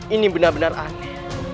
ini benar benar aneh